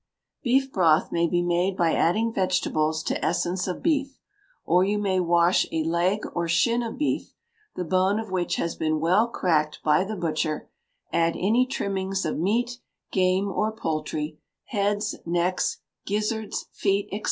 Beef broth may be made by adding vegetables to essence of beef or you may wash a leg or shin of beef, the bone of which has been well cracked by the butcher; add any trimmings of meat, game, or poultry, heads, necks, gizzards, feet, &c.